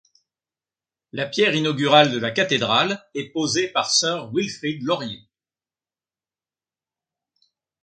La pierre inaugurale de la cathédrale est posée par Sir Wilfrid Laurier.